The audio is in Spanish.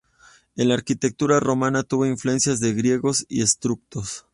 En la arquitectura romana tuvo influencias de griegos y etruscos.